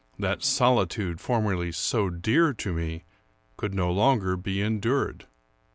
That solitude formerly so dear to me could no longer be endured.